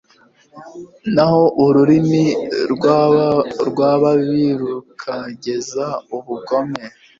naho ururimi rw'ababi rukagenza ubugome